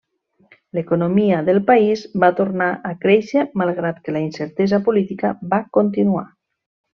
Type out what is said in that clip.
L'economia del país va tornar a créixer malgrat que la incertesa política va continuar.